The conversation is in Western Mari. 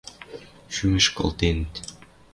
Шӱмӹш колтенӹт